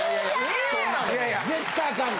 絶対アカンで。